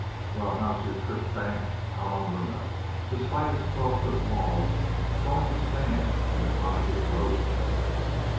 "Well, how's your trick 'bank' out on Luna, despite its twelve foot walls, going to stand an atomic explosion?"